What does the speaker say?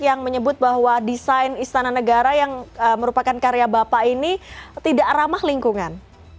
yang menyebut bahwa desain istana negara yang merupakan karya bapak ini tidak ramah lingkungan